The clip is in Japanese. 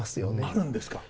あるんですか？